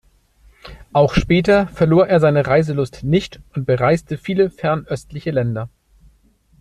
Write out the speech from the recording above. Auch später verlor er seine Reiselust nicht und bereiste viele fernöstliche Länder.